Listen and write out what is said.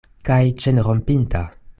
Kaj ĉenrompinta?